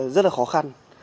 rất là khó khăn